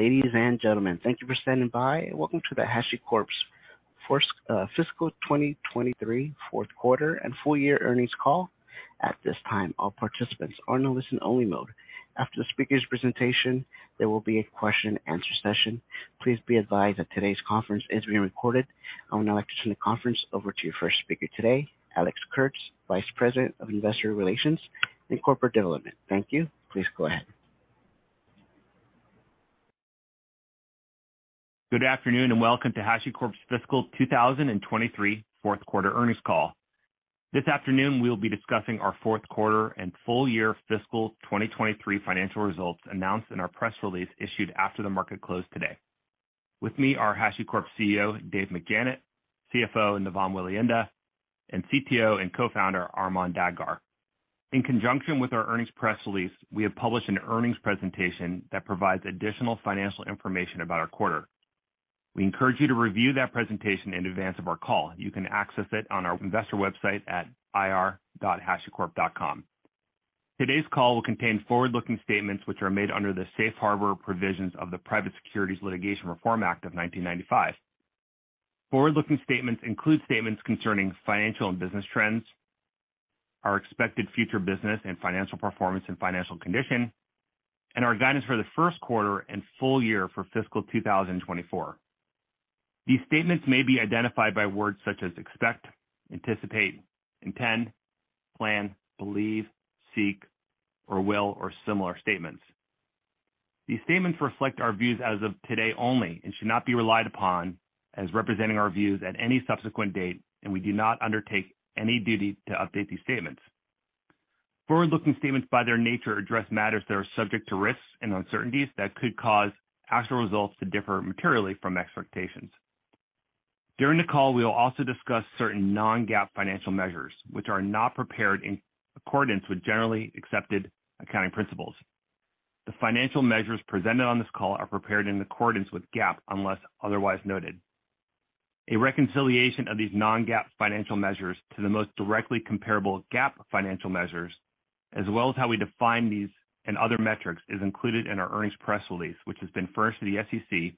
Ladies and gentlemen, thank you for standing by. Welcome to the HashiCorp's fiscal 2023 Q4 and full year earnings call. At this time, all participants are in listen-only mode. After the speaker's presentation, there will be a question-and-answer session. Please be advised that today's conference is being recorded. I would now like to turn the conference over to your first speaker today, Alex Kurtz, Vice President of Investor Relations and Corporate Development. Thank you. Please go ahead. Good afternoon, and welcome to HashiCorp's fiscal 2023 Q4 earnings call. This afternoon we'll be discussing our Q4 and full year fiscal 2023 financial results announced in our press release issued after the market closed today. With me are HashiCorp CEO, Dave McJannet, CFO, Navam Welihinda, and CTO and co-founder, Armon Dadgar. In conjunction with our earnings press release, we have published an earnings presentation that provides additional financial information about our quarter. We encourage you to review that presentation in advance of our call. You can access it on our investor website at ir.hashicorp.com. Today's call will contain forward-looking statements which are made under the safe harbor provisions of the Private Securities Litigation Reform Act of 1995. Forward-looking statements include statements concerning financial and business trends, our expected future business and financial performance and financial condition, and our guidance for the Q1 and full year for fiscal 2024. These statements may be identified by words such as expect, anticipate, intend, plan, believe, seek, or will, or similar statements. These statements reflect our views as of today only and should not be relied upon as representing our views at any subsequent date, and we do not undertake any duty to update these statements. Forward-looking statements, by their nature, address matters that are subject to risks and uncertainties that could cause actual results to differ materially from expectations. During the call, we will also discuss certain non-GAAP financial measures which are not prepared in accordance with generally accepted accounting principles. The financial measures presented on this call are prepared in accordance with GAAP, unless otherwise noted. A reconciliation of these non-GAAP financial measures to the most directly comparable GAAP financial measures, as well as how we define these and other metrics, is included in our earnings press release, which has been filed to the SEC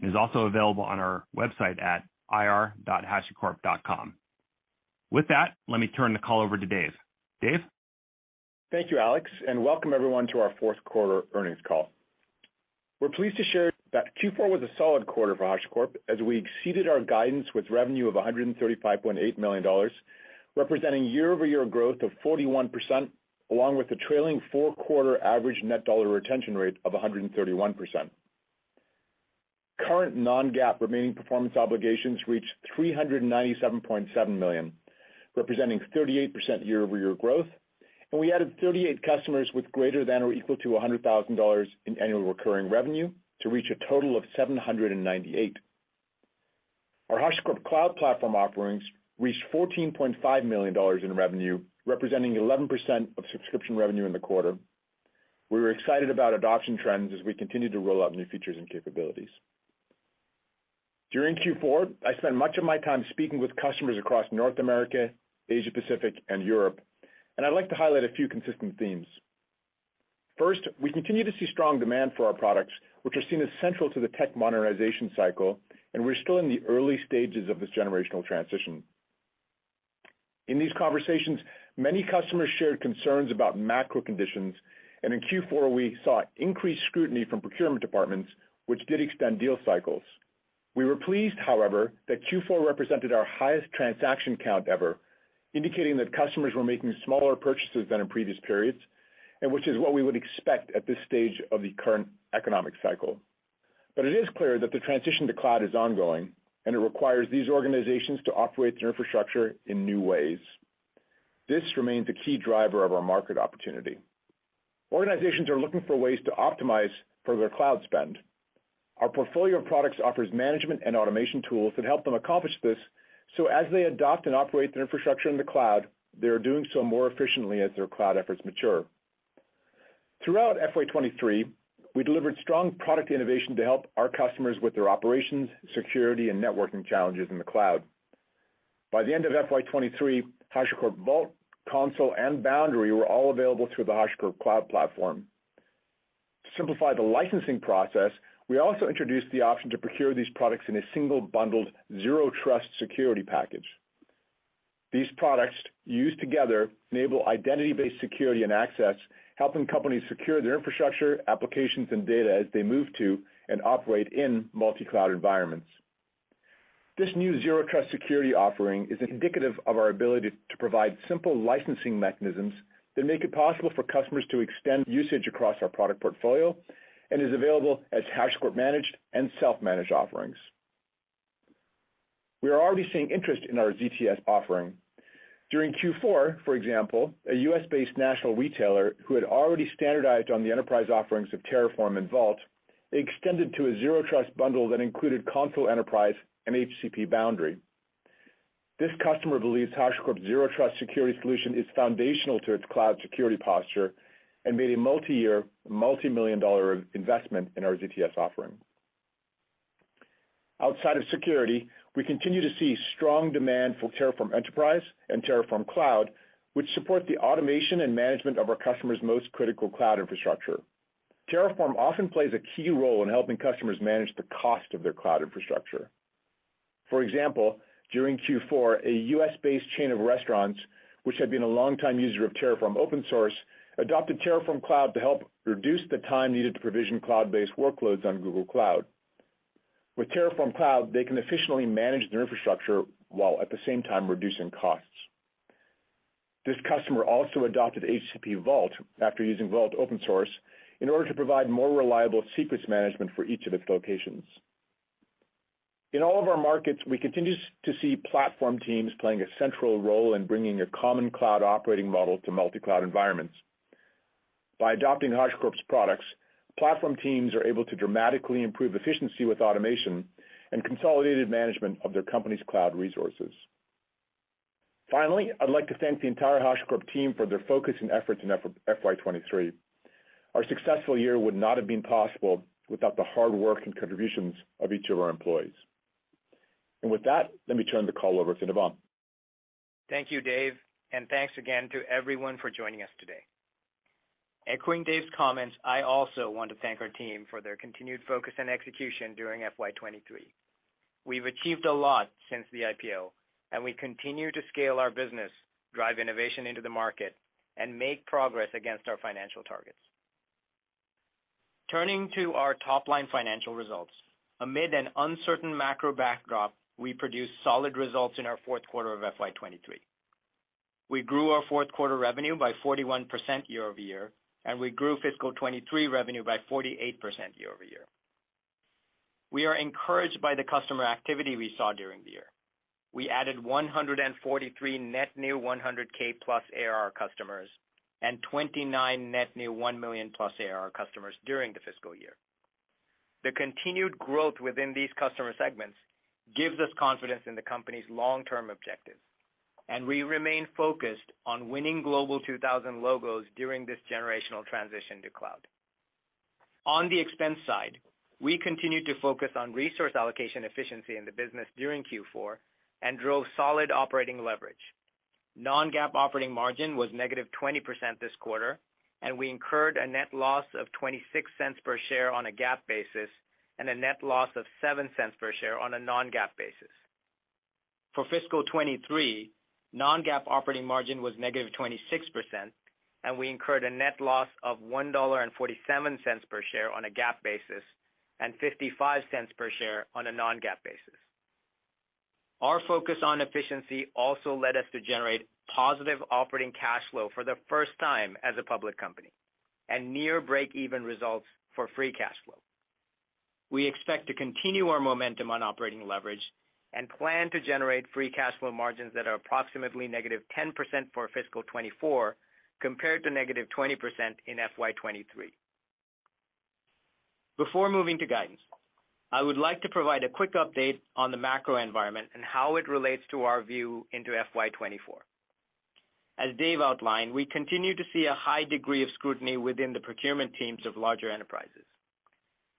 and is also available on our website at ir.hashicorp.com. With that, let me turn the call over to Dave. Dave? Thank you, Alex, and welcome everyone to our Q4 earnings call. We're pleased to share that Q4 was a solid quarter for HashiCorp as we exceeded our guidance with revenue of $135.8 million, representing year-over-year growth of 41%, along with the trailing Q4 average net dollar retention rate of 131%. Current non-GAAP remaining performance obligations reached $397.7 million, representing 38% year-over-year growth. We added 38 customers with greater than or equal to $100,000 in annual recurring revenue to reach a total of 798. Our HashiCorp Cloud Platform offerings reached $14.5 million in revenue, representing 11% of subscription revenue in the quarter. We were excited about adoption trends as we continued to roll out new features and capabilities. During Q4, I spent much of my time speaking with customers across North America, Asia-Pacific, and Europe, and I'd like to highlight a few consistent themes. First, we continue to see strong demand for our products, which are seen as central to the tech modernization cycle, and we're still in the early stages of this generational transition. In these conversations, many customers shared concerns about macro conditions, and in Q4 we saw increased scrutiny from procurement departments, which did extend deal cycles. We were pleased, however, that Q4 represented our highest transaction count ever, indicating that customers were making smaller purchases than in previous periods and which is what we would expect at this stage of the current economic cycle. It is clear that the transition to cloud is ongoing, and it requires these organizations to operate their infrastructure in new ways. This remains a key driver of our market opportunity. Organizations are looking for ways to optimize further cloud spend. Our portfolio of products offers management and automation tools that help them accomplish this. As they adopt and operate their infrastructure in the cloud, they are doing so more efficiently as their cloud efforts mature. Throughout FY2023, we delivered strong product innovation to help our customers with their operations, security, and networking challenges in the cloud. By the end of FY2023, HashiCorp Vault, Consul, and Boundary were all available through the HashiCorp Cloud Platform. To simplify the licensing process, we also introduced the option to procure these products in a single bundled zero-trust security package. These products, used together, enable identity-based security and access, helping companies secure their infrastructure, applications, and data as they move to and operate in multi-cloud environments. This new zero-trust security offering is indicative of our ability to provide simple licensing mechanisms that make it possible for customers to extend usage across our product portfolio and is available as HashiCorp managed and self-managed offerings. We are already seeing interest in our ZTS offering. During Q4, for example, a U.S.-based national retailer who had already standardized on the enterprise offerings of Terraform and Vault extended to a zero-trust bundle that included Consul Enterprise and HCP Boundary. This customer believes HashiCorp zero-trust security solution is foundational to its cloud security posture and made a multi-year, multi-million dollar investment in our ZTS offering. Outside of security, we continue to see strong demand for Terraform Enterprise and Terraform Cloud, which support the automation and management of our customers' most critical cloud infrastructure. Terraform often plays a key role in helping customers manage the cost of their cloud infrastructure. For example, during Q4, a U.S.-based chain of restaurants, which had been a longtime user of Terraform open source, adopted Terraform Cloud to help reduce the time needed to provision cloud-based workloads on Google Cloud. With Terraform Cloud, they can efficiently manage their infrastructure while at the same time reducing costs. This customer also adopted HCP Vault after using Vault open source in order to provide more reliable secrets management for each of its locations. In all of our markets, we continue to see platform teams playing a central role in bringing a common cloud operating model to multi-cloud environments. By adopting HashiCorp's products, platform teams are able to dramatically improve efficiency with automation and consolidated management of their company's cloud resources. Finally, I'd like to thank the entire HashiCorp team for their focus and efforts in FY 2023. Our successful year would not have been possible without the hard work and contributions of each of our employees. With that, let me turn the call over to Navam. Thank you, Dave, and thanks again to everyone for joining us today. Echoing Dave's comments, I also want to thank our team for their continued focus and execution during FY 2023. We've achieved a lot since the IPO, and we continue to scale our business, drive innovation into the market, and make progress against our financial targets. Turning to our top-line financial results. Amid an uncertain macro backdrop, we produced solid results in our Q4 of FY 2023. We grew our Q4 revenue by 41% year-over-year, and we grew fiscal 2023 revenue by 48% year-over-year. We are encouraged by the customer activity we saw during the year. We added 143 net new 100K+ ARR customers and 29 net new 1 million+ ARR customers during the fiscal year. The continued growth within these customer segments gives us confidence in the company's long-term objectives. We remain focused on winning Global 2000 logos during this generational transition to cloud. On the expense side, we continued to focus on resource allocation efficiency in the business during Q4 and drove solid operating leverage. non-GAAP operating margin was negative 20% this quarter, and we incurred a net loss of $0.26 per share on a GAAP basis and a net loss of $0.07 per share on a non-GAAP basis. For fiscal 2023, non-GAAP operating margin was negative 26%, and we incurred a net loss of $1.47 per share on a GAAP basis and $0.55 per share on a non-GAAP basis. Our focus on efficiency also led us to generate positive operating cash flow for the first time as a public company and near break-even results for free cash flow. We expect to continue our momentum on operating leverage and plan to generate free cash flow margins that are approximately -10% for fiscal 2024 compared to -20% in FY 2023. Before moving to guidance, I would like to provide a quick update on the macro environment and how it relates to our view into FY 2024. As Dave outlined, we continue to see a high degree of scrutiny within the procurement teams of larger enterprises.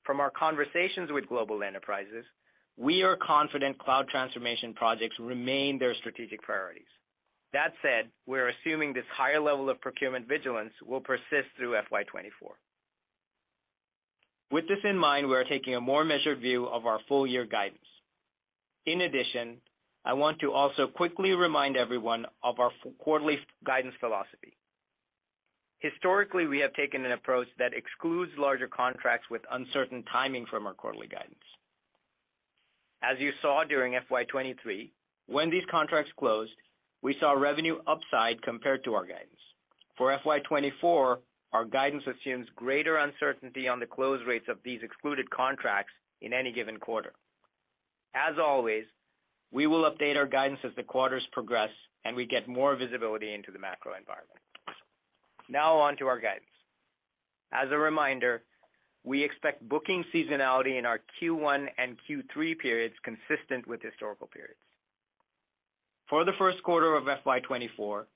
From our conversations with global enterprises, we are confident cloud transformation projects remain their strategic priorities. That said, we're assuming this higher level of procurement vigilance will persist through FY 2024. With this in mind, we are taking a more measured view of our full-year guidance. I want to also quickly remind everyone of our quarterly guidance philosophy. Historically, we have taken an approach that excludes larger contracts with uncertain timing from our quarterly guidance. You saw during FY 2023, when these contracts closed, we saw revenue upside compared to our guidance. FY 2024, our guidance assumes greater uncertainty on the close rates of these excluded contracts in any given quarter. Always, we will update our guidance as the quarters progress and we get more visibility into the macro environment. On to our guidance. A reminder, we expect booking seasonality in our Q1 and Q3 periods consistent with historical periods. For the Q1 of FY 2024,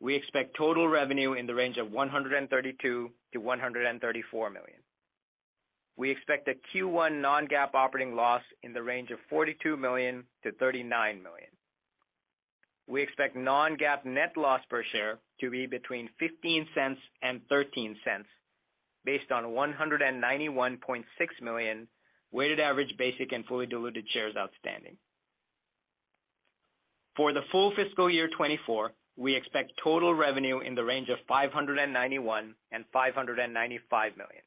we expect total revenue in the range of $132 million-$134 million. We expect a Q1 non-GAAP operating loss in the range of $42 million-$39 million. We expect non-GAAP net loss per share to be between $0.15 and $0.13 based on 191.6 million weighted average basic and fully diluted shares outstanding. For the full fiscal year 2024, we expect total revenue in the range of $591 million and $595 million.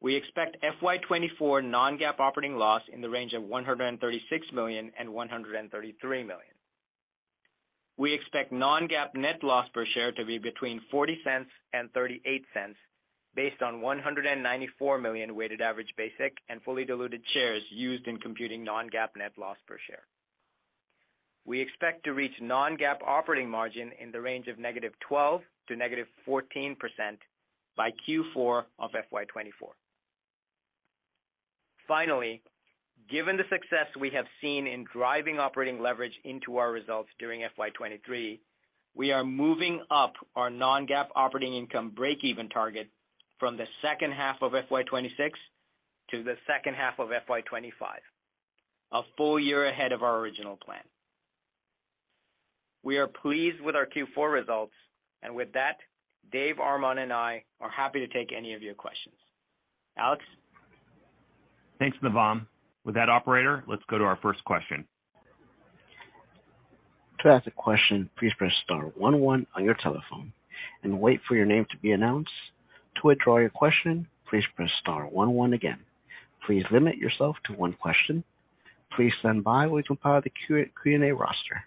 We expect FY 2024 non-GAAP operating loss in the range of $136 million and $133 million. We expect non-GAAP net loss per share to be between $0.40 and $0.38 based on 194 million weighted average basic and fully diluted shares used in computing non-GAAP net loss per share. We expect to reach non-GAAP operating margin in the range of -12% to -14% by Q4 of FY 2024. Given the success we have seen in driving operating leverage into our results during FY 2023 We are moving up our non-GAAP operating income breakeven target from the second half of FY 2026 to the second half of FY 2025, a full year ahead of our original plan. We are pleased with our Q4 results. With that, Dave, Armon, and I are happy to take any of your questions. Alex? Thanks, Navam. With that operator, let's go to our first question. To ask a question, please press star one one on your telephone and wait for your name to be announced. To withdraw your question, please press star one one again. Please limit yourself to one question. Please stand by while we compile the Q&A roster.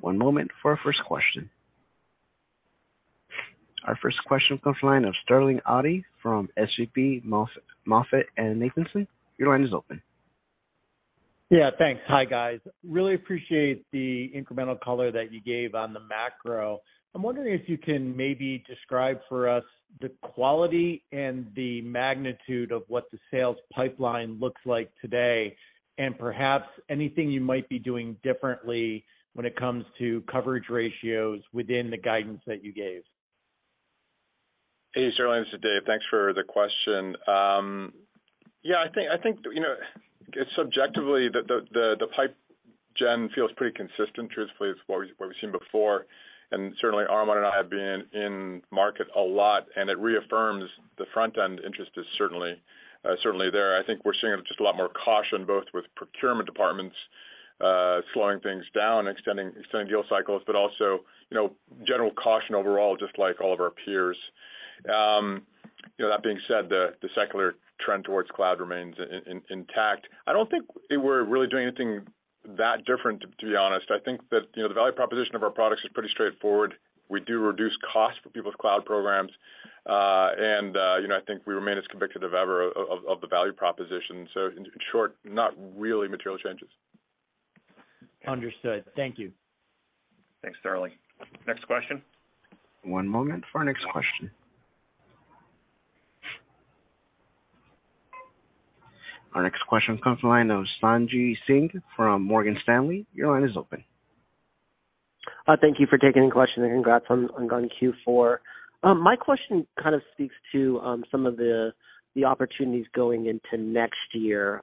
One moment for our first question. Our first question comes line of Sterling Auty from SVB MoffettNathanson. Your line is open. Yeah, thanks. Hi, guys. Really appreciate the incremental color that you gave on the macro. I'm wondering if you can maybe describe for us the quality and the magnitude of what the sales pipeline looks like today, and perhaps anything you might be doing differently when it comes to coverage ratios within the guidance that you gave. Hey, Sterling, this is Dave. Thanks for the question. Yeah, I think subjectively the pipe gen feels pretty consistent truthfully as what we've seen before. Certainly Armon and I have been in market a lot, and it reaffirms the front-end interest is certainly there. I think we're seeing just a lot more caution, both with procurement departments, slowing things down, extending deal cycles, but also general caution overall, just like all of our peers. That being said, the secular trend towards cloud remains intact. I don't think we're really doing anything that different, to be honest. I think that the value proposition of our products is pretty straightforward. We do reduce costs for people with cloud programs. I think we remain as convicted as ever of the value proposition. In short, not really material changes. Understood. Thank you. Thanks, Sterling. Next question. One moment for our next question. Our next question comes the line of Sanjit Singh from Morgan Stanley. Your line is open. Thank you for taking the question, and congrats on Q4. My question kind of speaks to some of the opportunities going into next year.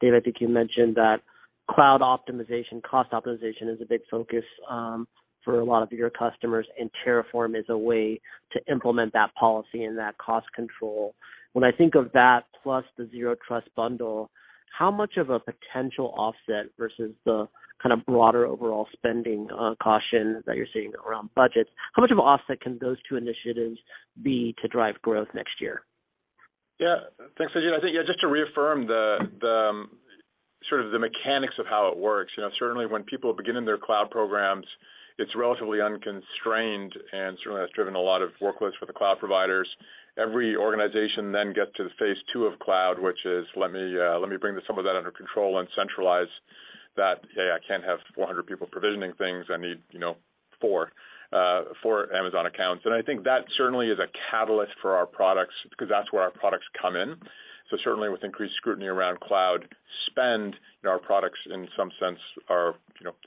Dave, I think you mentioned that cloud optimization, cost optimization is a big focus for a lot of your customers, and Terraform is a way to implement that policy and that cost control. When I think of that plus the Zero Trust bundle, how much of a potential offset versus the kinda broader overall spending caution that you're seeing around budgets, how much of an offset can those two initiatives be to drive growth next year? Yeah. Thanks, Sanjit. I think, yeah, just to reaffirm the sort of the mechanics of how it works. Certainly when people begin in their cloud programs, it's relatively unconstrained and certainly has driven a lot of workloads for the cloud providers. Every organization then get to the Phase II of cloud, which is, let me bring some of that under control and centralize that. Hey, I can't have 400 people provisioning things. I need four Amazon accounts. I think that certainly is a catalyst for our products because that's where our products come in. Certainly with increased scrutiny around cloud spend our products, in some sense are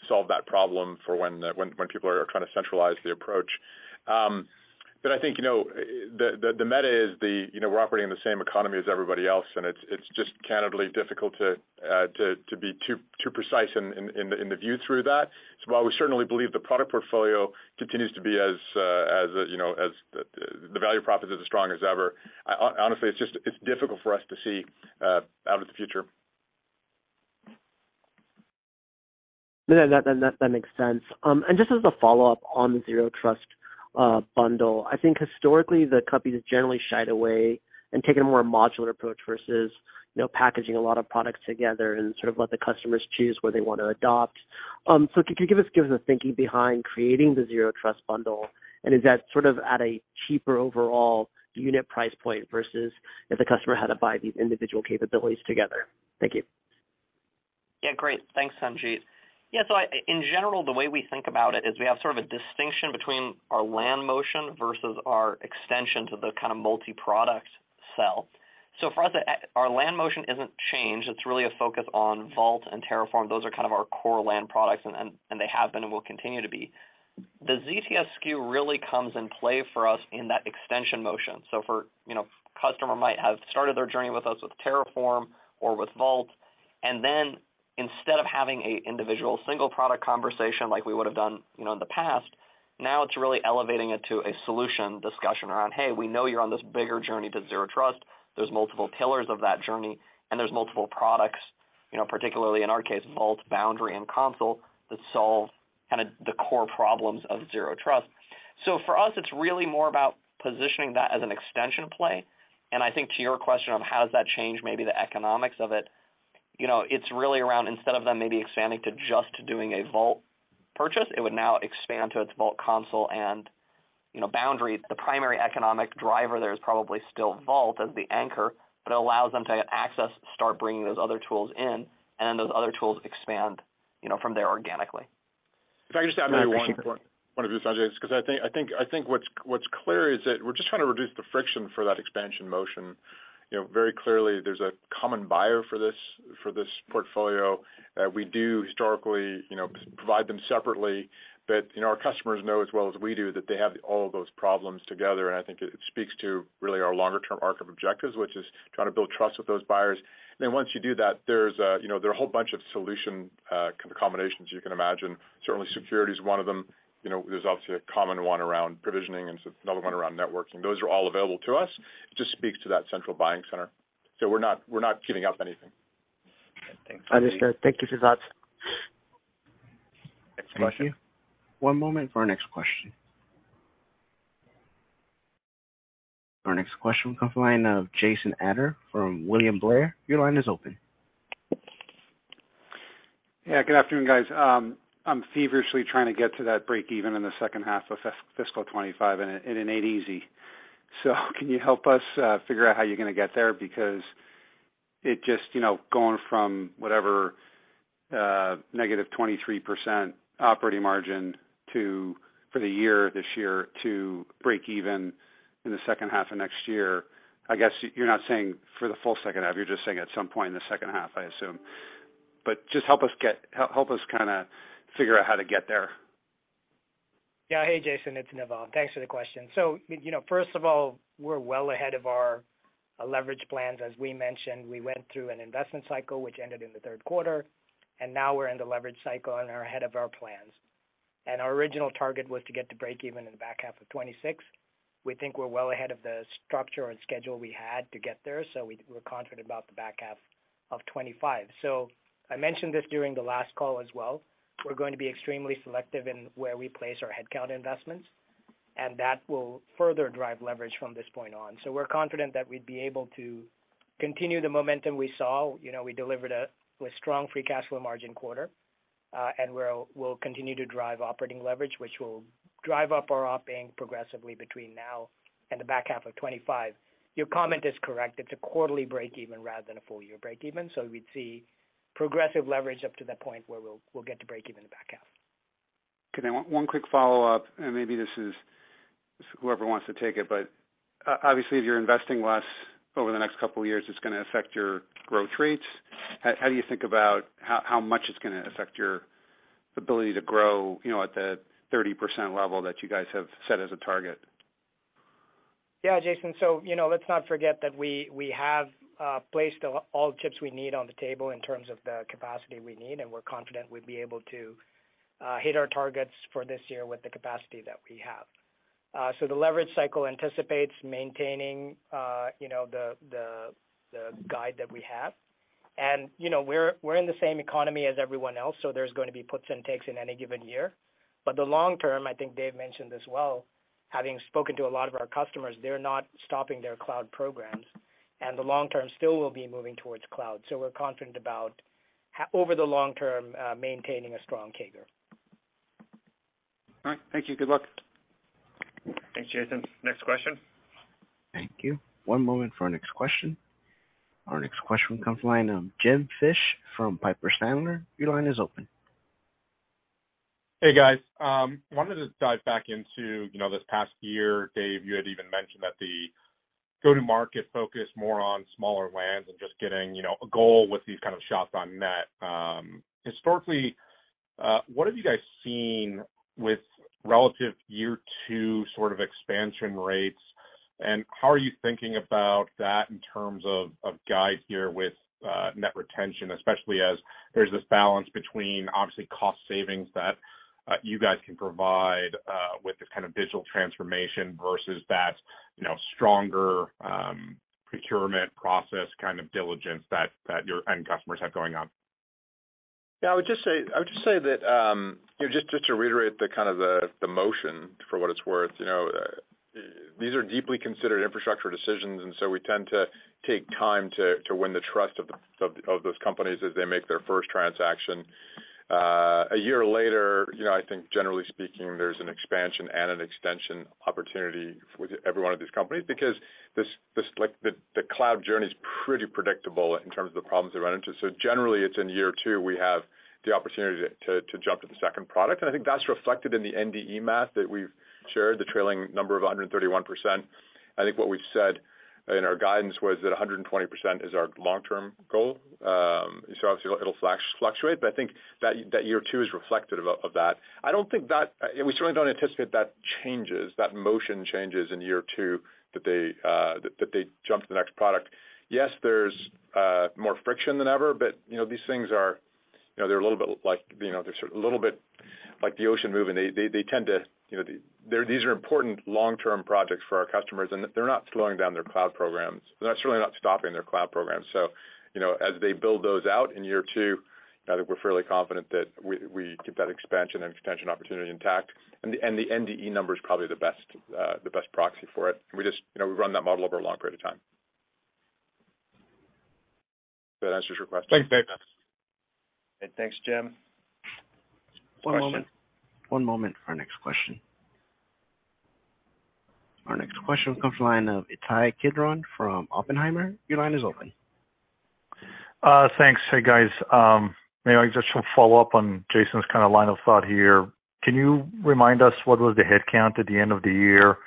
solve that problem for when people are trying to centralize the approach. I think the, the meta is the we're operating in the same economy as everybody else, and it's just candidly difficult to be too precise in the, in the view through that. While we certainly believe the product portfolio continues to be as as the value prop is as strong as ever, honestly, it's just, it's difficult for us to see, out into the future. No, that, that makes sense. Just as a follow-up on the Zero Trust bundle. I think historically, the companies generally shied away and taken a more modular approach versus packaging a lot of products together and sort of let the customers choose what they want to adopt. Can you give us the thinking behind creating the Zero Trust bundle, and is that sort of at a cheaper overall unit price point versus if the customer had to buy these individual capabilities together? Thank you. Great. Thanks, Sanjit. In general, the way we think about it is we have sort of a distinction between our land motion versus our extension to the kind of multi-product sell. For us, our land motion isn't changed. It's really a focus on Vault and Terraform. Those are kind of our core land products, and they have been and will continue to be. The ZTS SKU really comes in play for us in that extension motion. for customer might have started their journey with us with Terraform or with Vault, and then instead of having a individual single product conversation like we would've done in the past, now it's really elevating it to a solution discussion around, hey, we know you're on this bigger journey to Zero Trust. There's multiple pillars of that journey, and there's multiple products particularly in our case, Vault, Boundary, and Consul, that solve kinda the core problems of Zero Trust. For us, it's really more about positioning that as an extension play. I think to your question on how does that change maybe the economics of it it's really around instead of them maybe expanding to just doing a Vault purchase, it would now expand to its Vault Consul and Boundary. The primary economic driver there is probably still Vault as the anchor, but it allows them to get access, start bringing those other tools in, and those other tools expand from there organically. If I could just add maybe one to this, Ajay, just 'cause I think what's clear is that we're just trying to reduce the friction for that expansion motion. Very clearly there's a common buyer for this, for this portfolio. We do historically provide them separately, but our customers know as well as we do that they have all of those problems together, and I think it speaks to really our longer term arc of objectives, which is trying to build trust with those buyers. Once you do that there are a whole bunch of solution combinations you can imagine. Certainly security is one of them. There's obviously a common one around provisioning, and another one around networking. Those are all available to us. It just speaks to that central buying center. We're not giving up anything. Understood. Thank you, Sanjit. Next question. Thank you. One moment for our next question. Our next question comes the line of Jason Ader from William Blair. Your line is open. Good afternoon, guys. I'm feverishly trying to get to that break even in the second half of fiscal 2025, and it ain't easy. Can you help us figure out how you're gonna get there? It just going from whatever, -23% operating margin to, for the year this year to break even in the second half of next year. I guess you're not saying for the full second half, you're just saying at some point in the second half, I assume. Just help us kinda figure out how to get there. Yeah. Hey, Jason, it's Navam. Thanks for the question. First of all, we're well ahead of our leverage plans. As we mentioned, we went through an investment cycle which ended in the Q3, and now we're in the leverage cycle and are ahead of our plans. Our original target was to get to break even in the back half of 2026. We think we're well ahead of the structure and schedule we had to get there, so we're confident about the back half of 2025. I mentioned this during the last call as well. We're going to be extremely selective in where we place our headcount investments, and that will further drive leverage from this point on. We're confident that we'd be able to continue the momentum we saw. We delivered a strong free cash flow margin quarter. We'll continue to drive operating leverage, which will drive up our op income progressively between now and the back half of 2025. Your comment is correct, it's a quarterly break even rather than a full year break even. We'd see progressive leverage up to that point where we'll get to break even in the back half. Okay. One quick follow-up. Maybe this is whoever wants to take it. Obviously, if you're investing less over the next couple years, it's gonna affect your growth rates. How do you think about how much it's gonna affect your ability to grow at the 30% level that you guys have set as a target? Yeah, Jason. Let's not forget that we have placed all the chips we need on the table in terms of the capacity we need, and we're confident we'd be able to hit our targets for this year with the capacity that we have. The leverage cycle anticipates maintaining the guide that we have. We're in the same economy as everyone else, so there's gonna be puts and takes in any given year. The long term, I think Dave mentioned as well, having spoken to a lot of our customers, they're not stopping their cloud programs, and the long term still will be moving towards cloud. We're confident about over the long term, maintaining a strong CAGR. All right. Thank you. Good luck. Thanks, Jason. Next question. Thank you. One moment for our next question. Our next question comes the line of Jim Fish from Piper Sandler. Your line is open. Hey, guys. Wanted to dive back into this past year, Dave, you had even mentioned that the go-to-market focus more on smaller wins and just getting a goal with these kind of shops on net. Historically, what have you guys seen with relative year two sort of expansion rates, and how are you thinking about that in terms of guide here with net retention, especially as there's this balance between obviously cost savings that you guys can provide with the kind of digital transformation versus that stronger procurement process kind of diligence that your end customers have going on? Yeah. I would just say that just to reiterate the kind of the motion for what it's worth. These are deeply considered infrastructure decisions. We tend to take time to win the trust of those companies as they make their first transaction. A year later I think generally speaking, there's an expansion and an extension opportunity with every one of these companies because this, like, the cloud journey is pretty predictable in terms of the problems they run into. Generally, it's in year two, we have the opportunity to jump to the second product. I think that's reflected in the NDE math that we've shared, the trailing number of 131%. I think what we've said in our guidance was that 120% is our long-term goal. Obviously it'll fluctuate, but I think that year two is reflective of that. I don't think that we certainly don't anticipate that changes, that motion changes in year two, that they jump to the next product. There's more friction than ever, but these things are they're a little bit like they're sort of a little bit like the ocean moving. They tend to these are important long-term projects for our customers, and they're not slowing down their cloud programs. They're certainly not stopping their cloud programs., as they build those out in year two, I think we're fairly confident that we keep that expansion and extension opportunity intact. The NDE number is probably the best proxy for it. We just we run that model over a long period of time. That answers your question? Thanks, Dave. Thanks, Jim. Next question. One moment. One moment for our next question. Our next question comes from the line of Ittai Kidron from Oppenheimer. Your line is open. Thanks. Hey, guys. May I just follow up on Jason's kind of line of thought here? Can you remind us what was the head count at the end of the year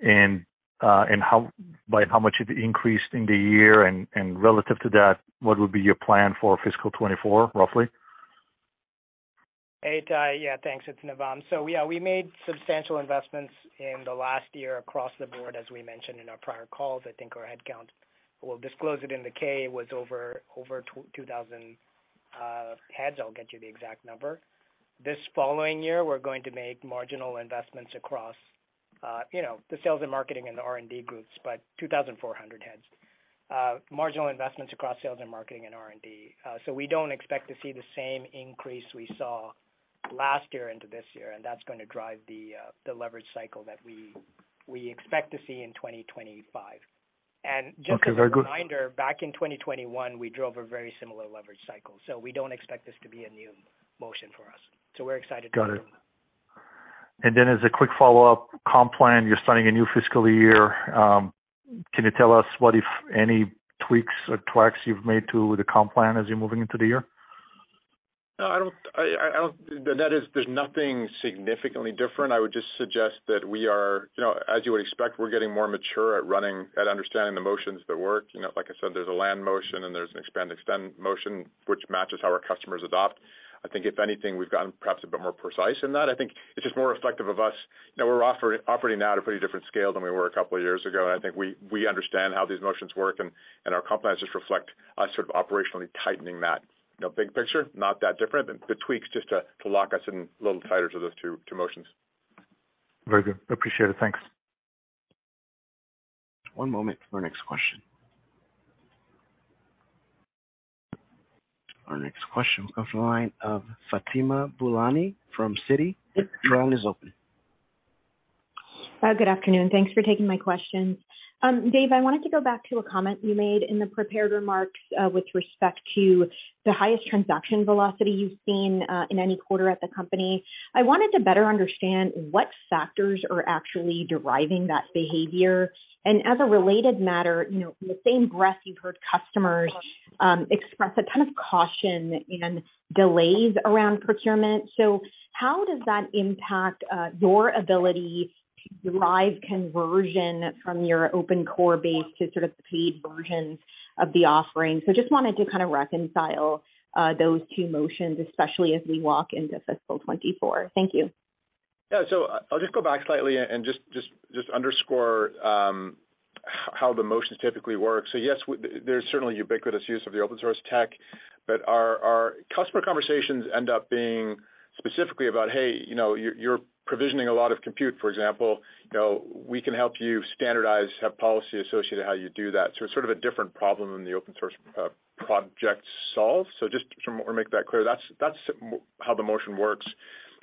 and by how much it increased in the year? Relative to that, what would be your plan for fiscal 2024, roughly? Hey, Ittai. Yeah, thanks. It's Navam. Yeah, we made substantial investments in the last year across the board, as we mentioned in our prior calls. I think our head count, we'll disclose it in the K, was over 2,000 heads. I'll get you the exact number. This following year, we're going to make marginal investments across the sales and marketing and the R&D groups, but 2,400 heads. Marginal investments across sales and marketing and R&D. We don't expect to see the same increase we saw last year into this year, and that's gonna drive the leverage cycle that we expect to see in 2025. Okay, very good. Just as a reminder, back in 2021, we drove a very similar leverage cycle, so we don't expect this to be a new motion for us. We're excited about it. Got it. As a quick follow-up comp plan, you're starting a new fiscal year. Can you tell us what, if any, tweaks you've made to the comp plan as you're moving into the year? No, I don't. There's nothing significantly different. I would just suggest that we are as you would expect, we're getting more mature at running, at understanding the motions that work. Like I said, there's a land motion and there's an expand extend motion, which matches how our customers adopt. I think if anything, we've gotten perhaps a bit more precise in that. I think it's just more reflective of us. We're operating now at a pretty different scale than we were a couple of years ago, and I think we understand how these motions work and our comp plans just reflect us sort of operationally tightening that. Big picture, not that different. The tweaks just to lock us in a little tighter to those two motions. Very good. Appreciate it. Thanks. One moment for our next question. Our next question comes from the line of Fatima Boolani from Citi. Your line is open. Good afternoon. Thanks for taking my questions. Dave, I wanted to go back to a comment you made in the prepared remarks with respect to the highest transaction velocity you've seen in any quarter at the company. I wanted to better understand what factors are actually deriving that behavior. As a related matter in the same breath you've heard customers express a kind of caution and delays around procurement. How does that impact your ability to derive conversion from your open core base to sort of paid versions of the offering? Just wanted to kind of reconcile those two motions, especially as we walk into fiscal 24. Thank you. Yeah. I'll just go back slightly and just underscore how the motions typically work. Yes, there's certainly ubiquitous use of the open source tech. Our customer conversations end up being specifically about, "hey you're provisioning a lot of compute, for example. We can help you standardize, have policy associated how you do that." It's sort of a different problem than the open source project solves. Just to make that clear, that's how the motion works.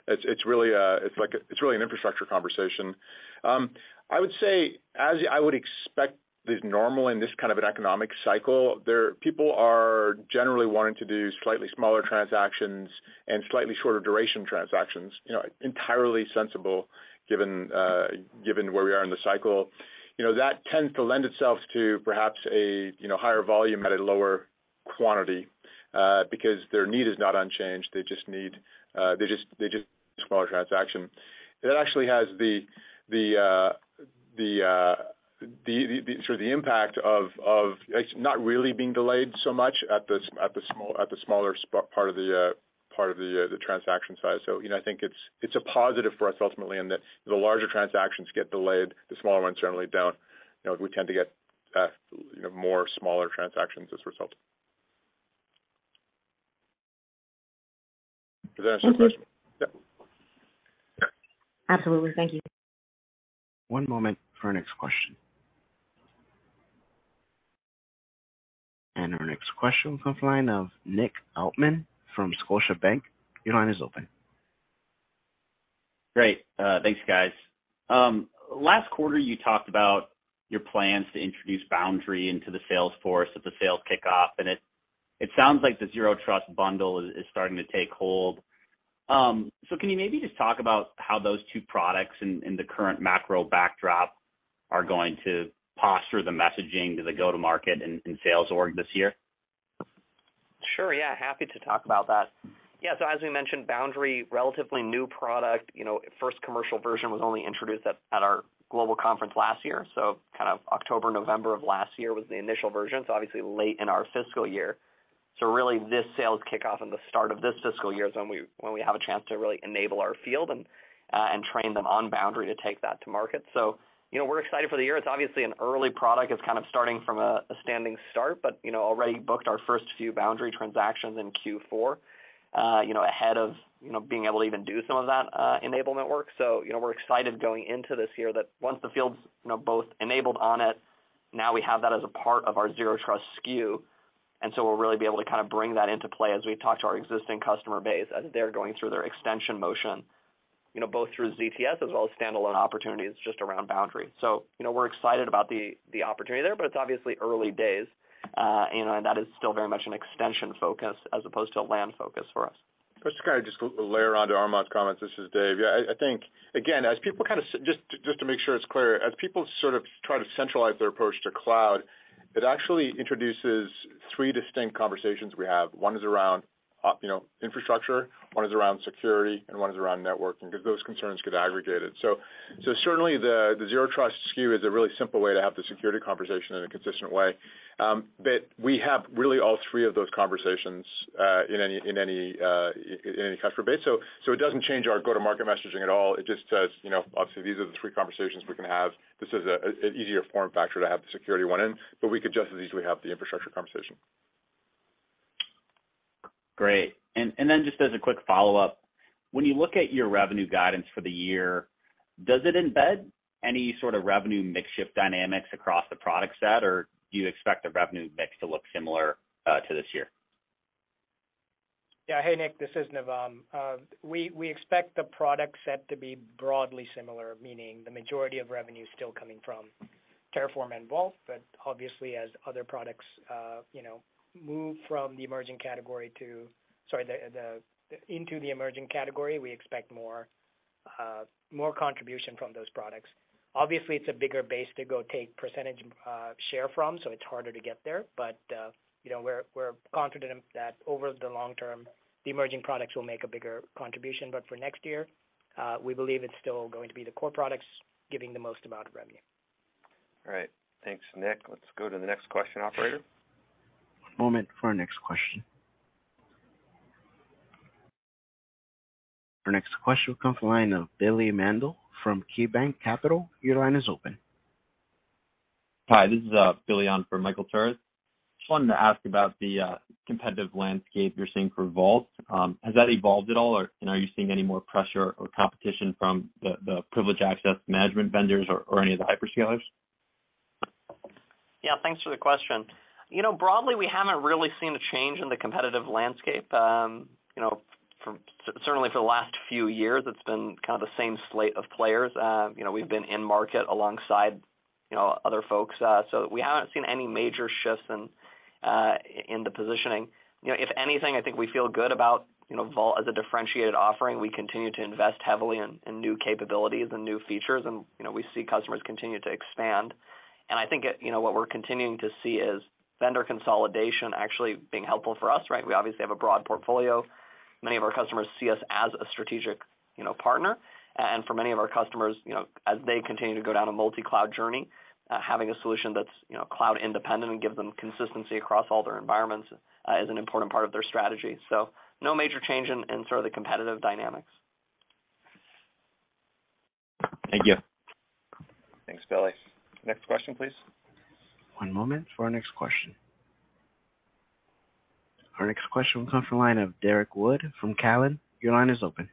It's really a, it's like a, it's really an infrastructure conversation. I would say as I would expect is normal in this kind of an economic cycle, people are generally wanting to do slightly smaller transactions and slightly shorter duration transactions entirely sensible given where we are in the cycle. That tends to lend itself to perhaps a higher volume at a lower quantity, because their need is not unchanged. They just need, they just smaller transaction. That actually has the sort of impact of it's not really being delayed so much at the smaller part of the transaction size. I think it's a positive for us ultimately, and that the larger transactions get delayed, the smaller ones certainly don't. We tend to get more smaller transactions as a result. Did that answer your question? Mm-hmm. Yeah. Yeah. Absolutely. Thank you. One moment for our next question. Our next question comes line of Nick Altmann from Scotiabank. Your line is open. Great. thanks, guys. Last quarter you talked about your plans to introduce Boundary into the sales force at the sales kickoff, and it sounds like the Zero Trust bundle is starting to take hold. Can you maybe just talk about how those two products in the current macro backdrop are going to posture the messaging to the go-to-market and sales org this year? Sure, yeah. Happy to talk about that. As we mentioned, Boundary, relatively new product. First commercial version was only introduced at our global conference last year, kind of October, November of last year was the initial version. Obviously late in our fiscal year. Really this sales kickoff and the start of this fiscal year is when we, when we have a chance to really enable our field and train them on Boundary to take that to market. We're excited for the year. It's obviously an early product. It's kind of starting from a standing start, but already booked our first few Boundary transactions in q4 ahead of being able to even do some of that enablement work., we're excited going into this year that once the field's both enabled on it, now we have that as a part of our Zero Trust SKU, and so we'll really be able to kind of bring that into play as we talk to our existing customer base as they're going through their extension motion. , both through ZTS as well as standalone opportunities just around Boundary. We're excited about the opportunity there, but it's obviously early days, and that is still very much an extension focus as opposed to a land focus for us. Just to kind of just layer onto Armon's comments. This is Dave. Yeah, I think, again, Just to make sure it's clear. As people sort of try to centralize their approach to cloud, it actually introduces three distinct conversations we have. One is around infrastructure, one is around security, and one is around networking because those concerns get aggregated. Certainly the Zero Trust SKU is a really simple way to have the security conversation in a consistent way. We have really all three of those conversations in any customer base. It doesn't change our go-to-market messaging at all. It just says obviously, these are the three conversations we can have. This is an easier form factor to have the security one in, but we could just as easily have the infrastructure conversation. Great. Then just as a quick follow-up, when you look at your revenue guidance for the year, does it embed any sort of revenue mix shift dynamics across the product set, or do you expect the revenue mix to look similar to this year? Yeah. Hey, Nick, this is Navam. We expect the product set to be broadly similar, meaning the majority of revenue is still coming from Terraform and Vault, obviously as other products move into the emerging category, we expect more contribution from those products. Obviously, it's a bigger base to go take percentage share from, so it's harder to get there. We're confident that over the long term, the emerging products will make a bigger contribution. For next year, we believe it's still going to be the core products giving the most amount of revenue. All right. Thanks, Nick. Let's go to the next question, operator. One moment for our next question. Our next question will come from the line of Billy Mandl from KeyBanc Capital. Your line is open. Hi, this is Billy on for Michael Turits. Just wanted to ask about the competitive landscape you're seeing for Vault. Has that evolved at all or are you seeing any more pressure or competition from the privileged access management vendors or any of the hyperscalers? Yeah, thanks for the question. Broadly, we haven't really seen a change in the competitive landscape. Certainly for the last few years, it's been kind of the same slate of players. We've been in market alongside other folks. So we haven't seen any major shifts in the positioning. If anything, I think we feel good about Vault as a differentiated offering. We continue to invest heavily in new capabilities and new features and we see customers continue to expand. I think it what we're continuing to see is vendor consolidation actually being helpful for us, right? We obviously have a broad portfolio. Many of our customers see us as a strategic partner. For many of our customers as they continue to go down a multi-cloud journey, having a solution that's cloud independent and give them consistency across all their environments, is an important part of their strategy. No major change in sort of the competitive dynamics. Thank you. Thanks, Billy. Next question, please. One moment for our next question. Our next question will come from the line of Derrick Wood from TD Cowen. Your line is open.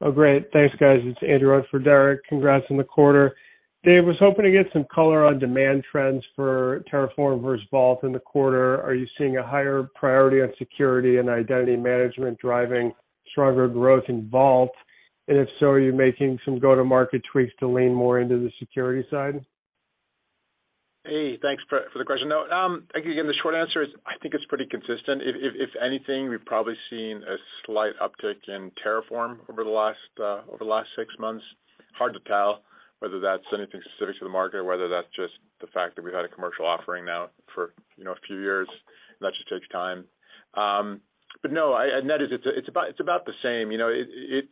Oh, great. Thanks, guys. It's Andrew in for Derek. Congrats on the quarter. Dave, I was hoping to get some color on demand trends for Terraform versus Vault in the quarter. Are you seeing a higher priority on security and identity management driving stronger growth in Vault? If so, are you making some go-to-market tweaks to lean more into the security side? Hey, thanks for the question. No, I think again, the short answer is, I think it's pretty consistent. If anything, we've probably seen a slight uptick in Terraform over the last six months. Hard to tell whether that's anything specific to the market or whether that's just the fact that we've had a commercial offering now for a few years. That just takes time. But no, Net is it's about the same. It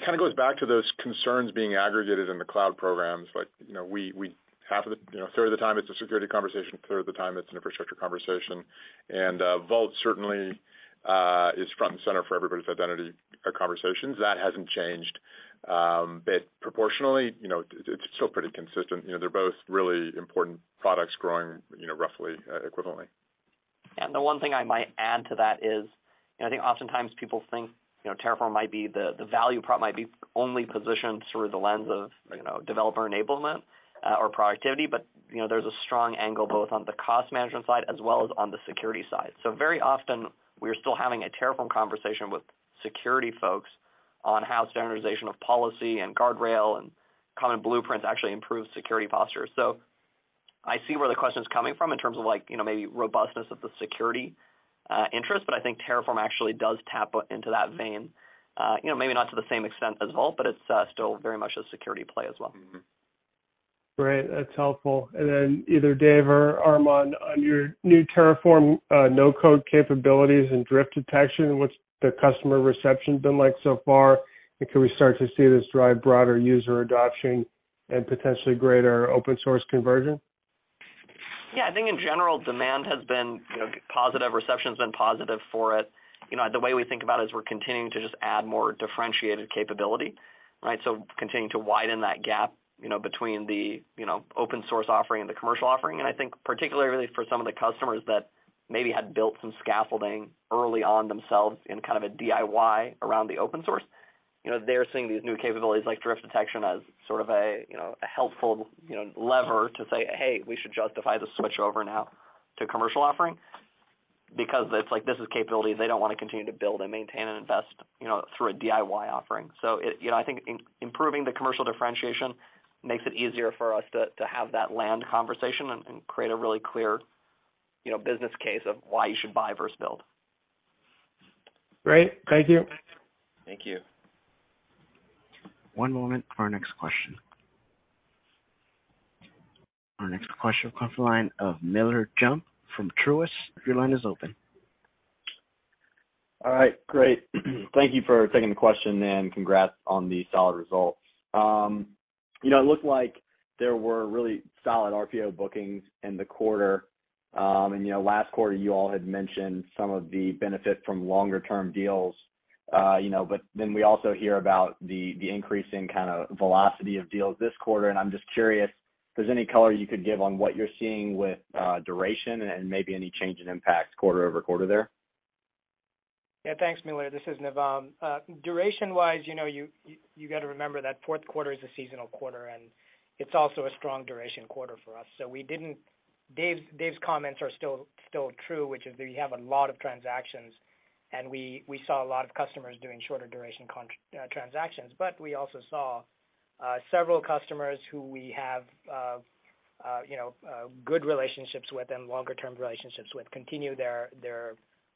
kind of goes back to those concerns being aggregated in the cloud programs. like we Half of the a third of the time it's a security conversation, a third of the time it's an infrastructure conversation. Vault certainly is front and center for everybody's identity conversations. That hasn't changed. proportionally it's still pretty consistent. They're both really important products growing roughly equivalently. Yeah. The one thing I might add to that is I think oftentimes people think Terraform might be the value prop might be only positioned through the lens of developer enablement or productivity. There's a strong angle both on the cost management side as well as on the security side. Very often we are still having a Terraform conversation with security folks on how standardization of policy and guardrail and common blueprints actually improves security posture. I see where the question's coming from in terms of like maybe robustness of the security interest, but I think Terraform actually does tap into that vein. Maybe not to the same extent as Vault, but it's still very much a security play as well. Great. That's helpful. Either Dave or Armon, on your new Terraform no-code capabilities and drift detection, what's the customer reception been like so far? Can we start to see this drive broader user adoption and potentially greater open source conversion? Yeah. I think in general, demand has been positive, reception's been positive for it. The way we think about it is we're continuing to just add more differentiated capability, right. Continuing to widen that gap between the open source offering and the commercial offering. I think particularly for some of the customers that maybe had built some scaffolding early on themselves in kind of a DIY around the open source they're seeing these new capabilities like drift detection as sort of a a helpful lever to say, "Hey, we should justify the switchover now to commercial offering." It's like this is capabilities they don't wanna continue to build and maintain and invest through a DIY offering. I think improving the commercial differentiation makes it easier for us to have that land conversation and create a really clear business case of why you should buy versus build. Great. Thank you. Thank you. One moment for our next question. Our next question will come from the line of Miller Jump from Truist. Your line is open. All right. Great. Thank you for taking the question, and congrats on the solid results. It looked like there were really solid RPO bookings in the quarter. Last quarter, you all had mentioned some of the benefit from longer term deals we also hear about the increasing kinda velocity of deals this quarter, and I'm just curious if there's any color you could give on what you're seeing with duration and maybe any change in impact quarter-over-quarter there? Yeah. Thanks, Miller. This is Navam. duration-wise you gotta remember that Q4 is a seasonal quarter, and it's also a strong duration quarter for us. We didn't. Dave's comments are still true, which is that you have a lot of transactions, and we saw a lot of customers doing shorter duration transactions. We also saw several customers who we have good relationships with and longer-term relationships with continue their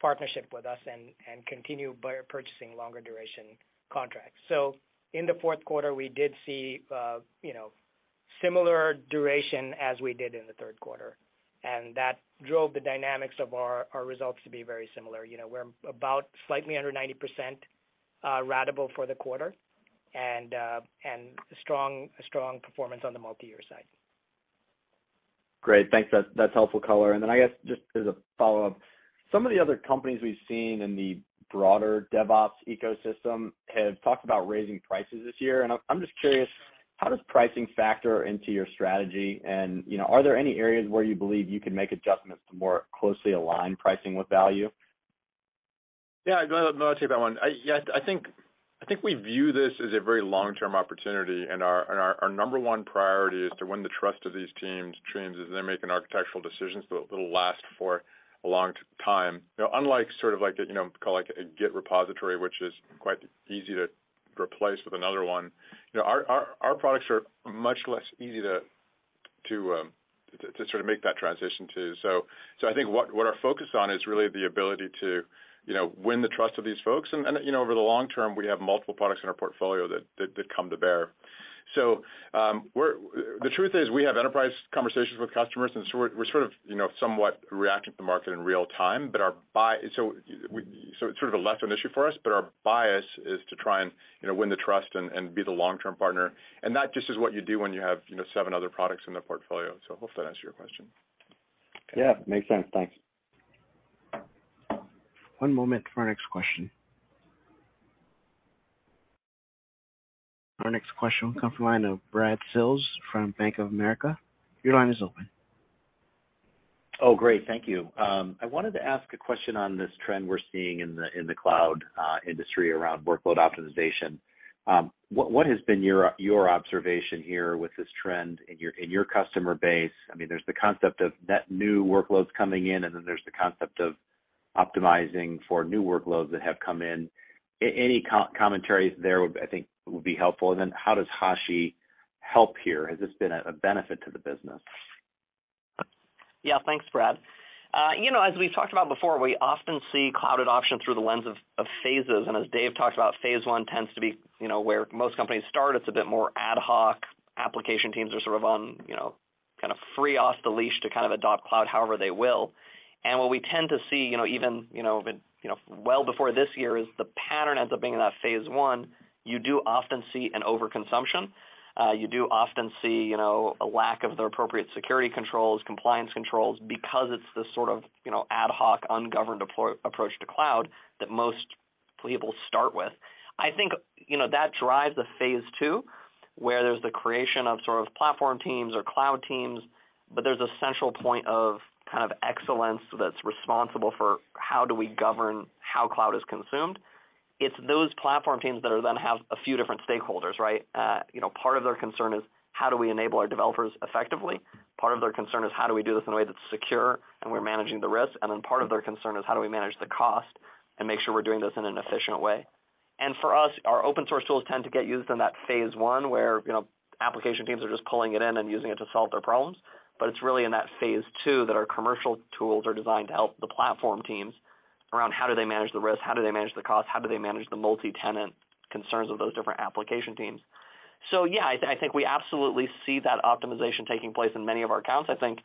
partnership with us and continue by purchasing longer duration contracts. In the Q4, we did see similar duration as we did in the Q3, and that drove the dynamics of our results to be very similar., we're about slightly under 90% ratable for the quarter and a strong performance on the multiyear side. Great. Thanks. That's helpful color. I guess just as a follow-up, some of the other companies we've seen in the broader DevOps ecosystem have talked about raising prices this year. I'm just curious, how does pricing factor into your strategy?, are there any areas where you believe you can make adjustments to more closely align pricing with value? Yeah. Go ahead, Miller, take that one. I think we view this as a very long-term opportunity, and our number one priority is to win the trust of these teams as they're making architectural decisions that will last for a long time. Unlike sort of like call like a Git repository, which is quite easy to replace with another one our products are much less easy to sort of make that transition to. So I think what our focus on is really the ability to win the trust of these folks. then over the long term, we have multiple products in our portfolio that come to bear. The truth is we have enterprise conversations with customers, and we're sort of somewhat reacting to the market in real time. Our bias is to try and win the trust and be the long-term partner. That just is what you do when you have seven other products in the portfolio. Hope that answers your question. Yeah. Makes sense. Thanks. One moment for our next question. Our next question will come from the line of Brad Sills from Bank of America. Your line is open. Great. Thank you. I wanted to ask a question on this trend we're seeing in the cloud industry around workload optimization. What has been your observation here with this trend in your customer base? I mean, there's the concept of net new workloads coming in, and then there's the concept of optimizing for new workloads that have come in. Any commentary there would, I think, would be helpful. How does Hashi help here? Has this been a benefit to the business? Yeah. Thanks, Brad. As we've talked about before, we often see cloud adoption through the lens of phases. As Dave talked about, Phase I tends to be where most companies start. It's a bit more ad hoc. Application teams are sort of on kind of free off the leash to kind of adopt cloud however they will. What we tend to see even well before this year is the pattern ends up being in that Phase I, you do often see an overconsumption. You do often see a lack of the appropriate security controls, compliance controls because it's this sort of ad hoc, ungoverned approach to cloud that most people start with. I think that drives the Phase II, where there's the creation of sort of platform teams or cloud teams, but there's a central point of kind of excellence that's responsible for how do we govern how cloud is consumed. It's those platform teams that are then have a few different stakeholders, right?, part of their concern is how do we enable our developers effectively? Part of their concern is how do we do this in a way that's secure and we're managing the risk? Part of their concern is how do we manage the cost and make sure we're doing this in an efficient way? For us, our open source tools tend to get used in that Ihase I where application teams are just pulling it in and using it to solve their problems. It's really in that Phase II that our commercial tools are designed to help the platform teams around how do they manage the risk, how do they manage the cost, how do they manage the multi-tenant concerns of those different application teams. Yeah, I think we absolutely see that optimization taking place in many of our accounts. I think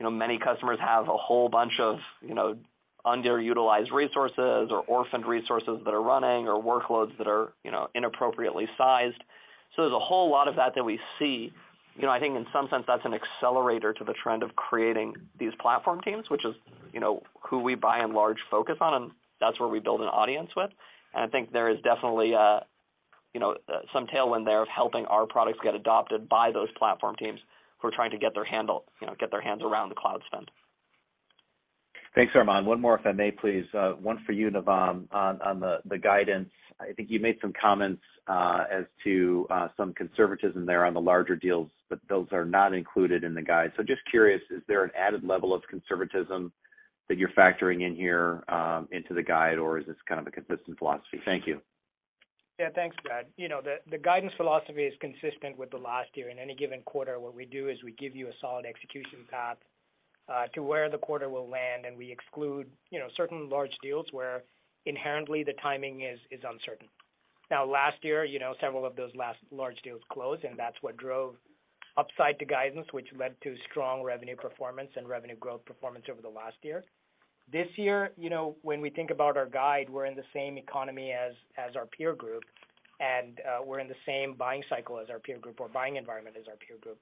many customers have a whole bunch of underutilized resources or orphaned resources that are running or workloads that are inappropriately sized. There's a whole lot of that that we see. I think in some sense, that's an accelerator to the trend of creating these platform teams, which is who we by and large focus on, and that's where we build an audience with. I think there is definitely a some tailwind there of helping our products get adopted by those platform teams who are trying to get their handle get their hands around the cloud spend. Thanks, Armon Dadgar. One more if I may please. One for you, Navam Welihinda, on the guidance. I think you made some comments as to some conservatism there on the larger deals, but those are not included in the guide. Just curious, is there an added level of conservatism that you're factoring in here into the guide, or is this kind of a consistent philosophy? Thank you. Yeah. Thanks, Brad. The guidance philosophy is consistent with the last year. In any given quarter, what we do is we give you a solid execution path to where the quarter will land, and we exclude certain large deals where inherently the timing is uncertain. Now, last year several of those last large deals closed, and that's what drove upside to guidance, which led to strong revenue performance and revenue growth performance over the last year. This year when we think about our guide, we're in the same economy as our peer group, and we're in the same buying cycle as our peer group or buying environment as our peer group.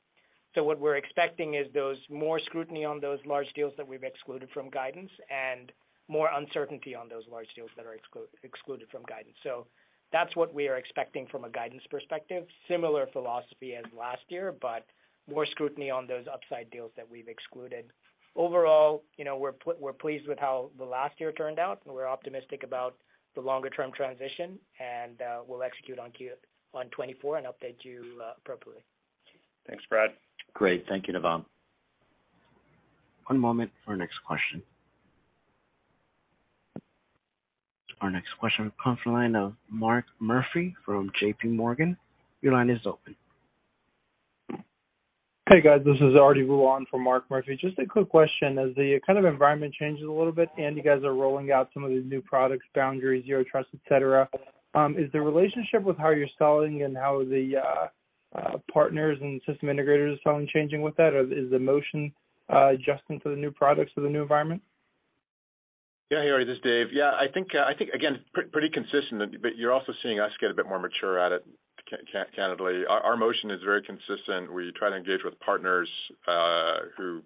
What we're expecting is those more scrutiny on those large deals that we've excluded from guidance and more uncertainty on those large deals that are excluded from guidance. That's what we are expecting from a guidance perspective. Similar philosophy as last year, but more scrutiny on those upside deals that we've excluded. overall we're pleased with how the last year turned out, and we're optimistic about the longer term transition, and we'll execute on 2024 and update you appropriately. Thanks, Brad. Great. Thank you, Navam. One moment for our next question. Our next question comes from the line of Mark Murphy from J.P. Morgan. Your line is open. Hey, guys. This is Artie Ruon for Mark Murphy. Just a quick question. As the kind of environment changes a little bit and you guys are rolling out some of the new products, Boundary, Zero Trust, et cetera, is the relationship with how you're selling and how the partners and system integrators is selling changing with that? Or is the motion adjusting to the new products or the new environment? Yeah. Hey, Artie. This is Dave. I think, again, pretty consistent, but you're also seeing us get a bit more mature at it, candidly. Our motion is very consistent. We try to engage with partners, who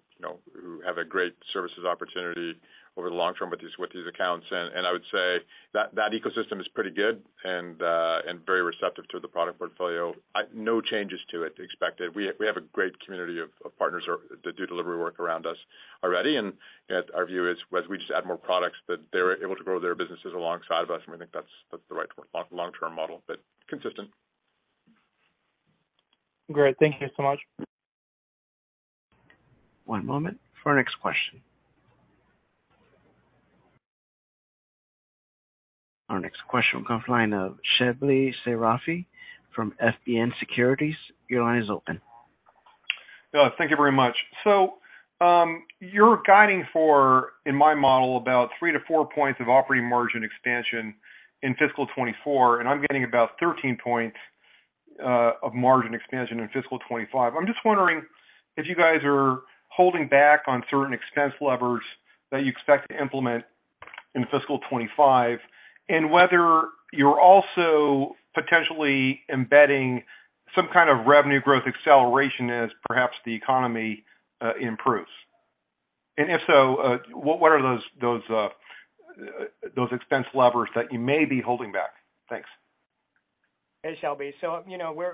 who have a great services opportunity over the long term with these accounts. I would say that ecosystem is pretty good and very receptive to the product portfolio. No changes to it expected. We have a great community of partners or that do delivery work around us already. Our view is, as we just add more products, that they're able to grow their businesses alongside of us, and we think that's the right long-term model, but consistent. Great. Thank you so much. One moment for our next question. Our next question comes line of Shebly Seyrafi from FBN Securities. Your line is open. Thank you very much. You're guiding for, in my model, about three-four points of operating margin expansion in fiscal 2024, and I'm getting about 13 points of margin expansion in fiscal 2025. I'm just wondering if you guys are holding back on certain expense levers that you expect to implement in fiscal 2025 and whether you're also potentially embedding some kind of revenue growth acceleration as perhaps the economy improves. If so, what are those expense levers that you may be holding back? Thanks. Hey, Shelby.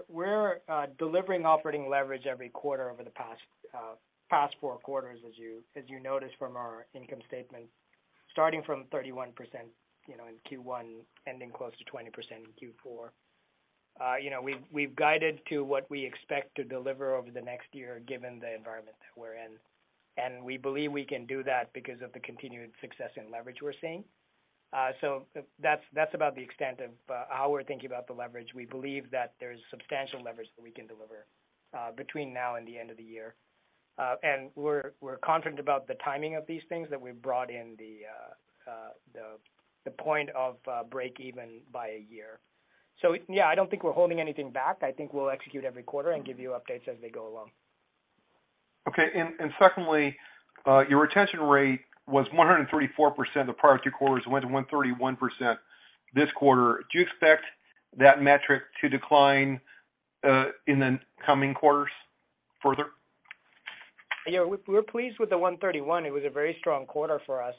We're delivering operating leverage every quarter over the past Q4 as you noticed from our income statement, starting from 31% in Q1, ending close to 20% in Q4. We've guided to what we expect to deliver over the next year given the environment that we're in. We believe we can do that because of the continued success and leverage we're seeing. that's about the extent of how we're thinking about the leverage. We believe that there's substantial leverage that we can deliver between now and the end of the year. We're confident about the timing of these things that we've brought in the point of break even by a year. Yeah, I don't think we're holding anything back. I think we'll execute every quarter and give you updates as they go along. Okay. Secondly, your retention rate was 134% the prior Q2, went to 131% this quarter. Do you expect that metric to decline, in the coming quarters further? Yeah. We're pleased with the 131. It was a very strong quarter for us.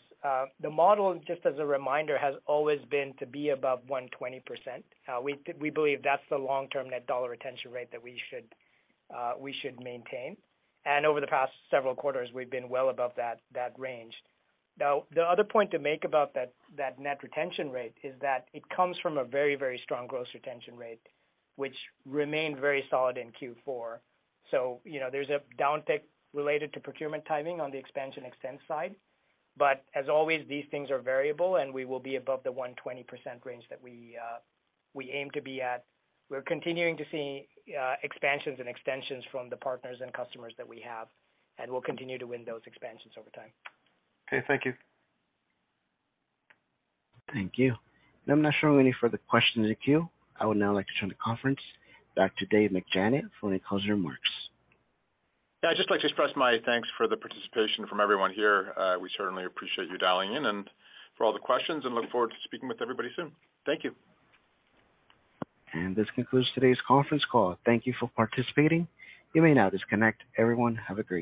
The model, just as a reminder, has always been to be above 120%. We believe that's the long-term net dollar retention rate that we should maintain. Over the past several quarters, we've been well above that range. The other point to make about that net retention rate is that it comes from a very strong gross retention rate, which remained very solid in Q4. There's a downtick related to procurement timing on the expansion extent side. As always, these things are variable, and we will be above the 120% range that we aim to be at. We're continuing to see expansions and extensions from the partners and customers that we have. We'll continue to win those expansions over time. Okay. Thank you. Thank you. I'm not showing any further questions in the queue. I would now like to turn the conference back to Dave McJannet for any closing remarks. Yeah. I'd just like to express my thanks for the participation from everyone here. We certainly appreciate you dialing in and for all the questions and look forward to speaking with everybody soon. Thank you. This concludes today's conference call. Thank you for participating. You may now disconnect. Everyone, have a good night.